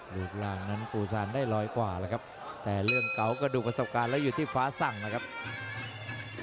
รูปร่างนั้นปูซานได้ร้อยกว่าแล้วครับแต่เรื่องเก่าก็ดูประสบการณ์แล้วอยู่ที่ฟ้าสั่งนะครับ